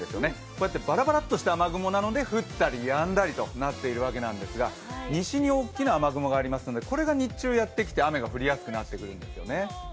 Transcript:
こうやってばらばらっとした雨雲なので降ったりやんだりとなっているわけなんですが西に大きな雨雲がありますのでこれが日中やってきて雨が降りやすくなるんですね。